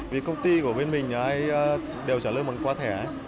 vì công ty của bên mình ai đều trả lời bằng qua thẻ